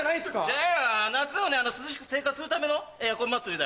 違うよ夏を涼しく生活するためのエアコン祭りだよ。